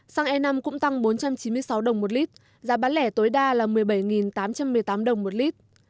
xăng e năm cũng tăng bốn trăm chín mươi sáu đồng một lít giá bán lẻ tối đa là một mươi bảy tám trăm một mươi tám đồng một lít